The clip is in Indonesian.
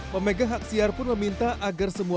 pemegang hak siar pun meminta agar semua